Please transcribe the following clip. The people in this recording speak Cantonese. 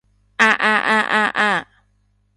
啊啊啊啊啊